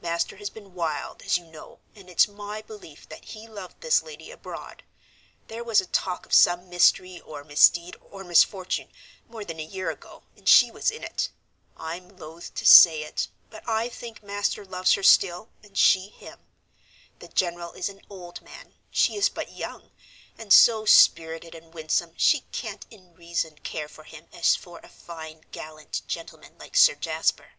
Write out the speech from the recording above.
Master has been wild, as you know, and it's my belief that he loved this lady abroad. There was a talk of some mystery, or misdeed, or misfortune, more than a year ago, and she was in it. I'm loath to say it, but I think Master loves her still, and she him. The general is an old man, she is but young, and so spirited and winsome she can't in reason care for him as for a fine, gallant gentleman like Sir Jasper.